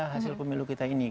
hasil pemilu kita ini